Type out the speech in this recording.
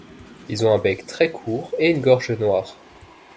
Ils ont un bec très court et une gorge noire.